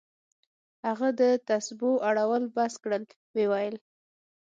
هغه د تسبو اړول بس كړل ويې ويل.